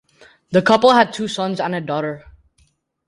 The couple had two sons and a daughter.